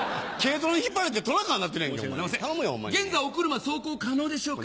現在お車走行可能でしょうか？